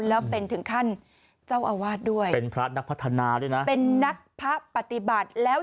แล้วเป็นถึงขั้นเจ้าอาวาสด้วยเป็นพระนักพัฒนาด้วยนะเป็นนักพระปฏิบัติแล้ว